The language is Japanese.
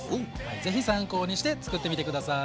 ぜひ参考にしてつくってみて下さい！